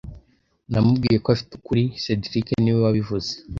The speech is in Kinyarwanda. Namubwiye ko afite ukuri cedric niwe wabivuze